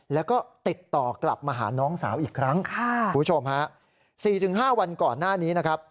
แล้วก็ติดต่อกลับมาหาน้องสาวอีกครั้งค่ะคุณผู้ชมฮะ๔๕วันก่อนหน้านี้นะครับ